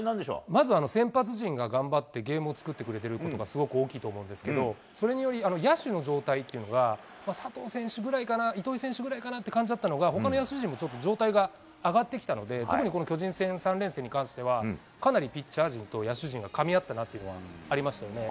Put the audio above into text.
まず先発陣が頑張ってゲームを作ってくれてることがすごく大きいと思うんですけど、それにより、野手の状態っていうのが、佐藤選手ぐらいかな、糸井選手ぐらいかなっていう感じだったのが、ほかの野手陣もちょっと状態が上がってきたので、特にこの巨人戦、３連戦に関しては、かなりピッチャー陣と野手陣がかみ合ったなというのはありましたよね。